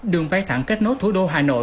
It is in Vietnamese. đường vay thẳng kết nối thủ đô hà nội